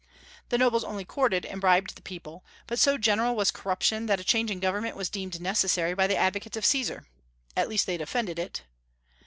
The nobles only courted and bribed the people; but so general was corruption that a change in government was deemed necessary by the advocates of Caesar, at least they defended it.